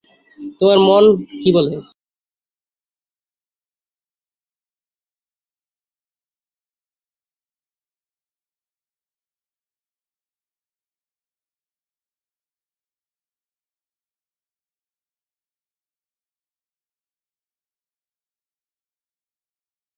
ঢাকার Elephant Road এবং Pink City shopping মলে তাদের শাখা আছে।